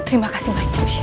terima kasih banyak shay